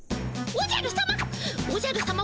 おじゃるさま！